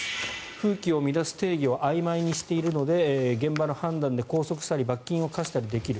風紀を乱す定義をあいまいにしているので現場の判断で拘束したり罰金を科したりできる。